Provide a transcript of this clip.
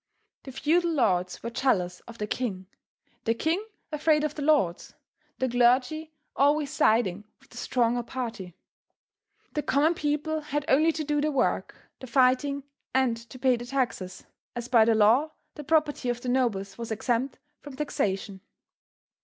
The feudal lords were jealous of the king, the king afraid of the lords, the clergy always siding with the stronger party. The common people had only to do the work, the fighting, and to pay the taxes, as by the law the property of the nobles was exempt from taxation.